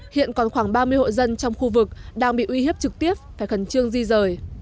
hiện còn khoảng ba mươi hộ dân trong khu vực đang bị uy hiếp trực tiếp phải khẩn trương di rời